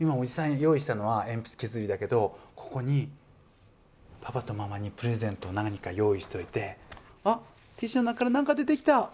今おじさん用意したのは鉛筆削りだけどここにパパとママにプレゼント何か用意しといてあっティッシュの中から何か出てきた。